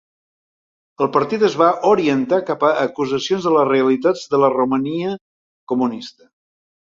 El partit es va orientar cap a acusacions de les realitats de la Romania Comunista.